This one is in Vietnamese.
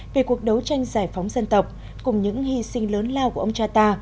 về cuộc đấu tranh giải phóng dân tộc cùng những hy sinh lớn lao của ông cha ta